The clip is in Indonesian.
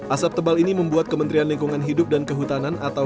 asap tebal ini membuat kementerian lingkungan hidup dan kehutanan atau